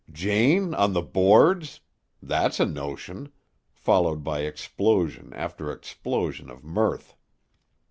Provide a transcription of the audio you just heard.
"Jane on the boards! That's a notion!" followed by explosion after explosion of mirth.